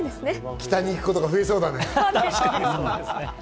北に行くことが増えそうだね。